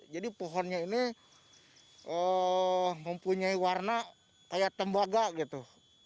jadi pohonnya ini mempunyai warna kayak tembaga gitu